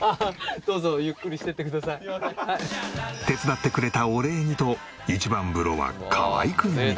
手伝ってくれたお礼にと一番風呂は河合くんに。